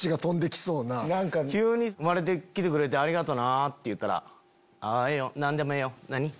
急に「生まれて来てくれてありがとな」って言うたら「ええよ何でもええよ何？」。